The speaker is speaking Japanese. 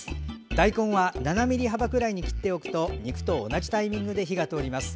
大根は７ｍｍ幅ぐらいに切っておくと肉と同じタイミングで火が通ります。